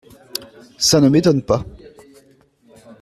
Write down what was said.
Ca ne m’étonne pas…